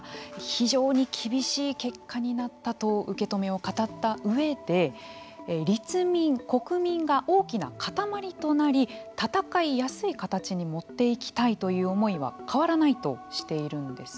非常に厳しい結果になったと受け止めを語った上で立民、国民が大きな塊となり戦いやすい形に持っていきたいという思いは変わらないとしているんです。